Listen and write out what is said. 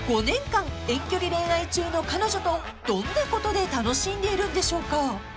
［５年間遠距離恋愛中の彼女とどんなことで楽しんでいるんでしょうか？］